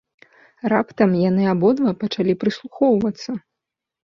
Раптам яны абодва пачалі прыслухоўвацца.